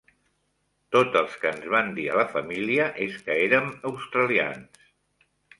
Tot els que ens van dir a la família és que érem australians.